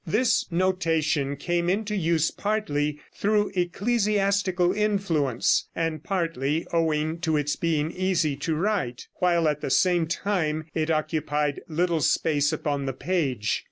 This notation came into use partly through ecclesiastical influence, and partly owing to its being easy to write, while at the same time it occupied little space upon the page.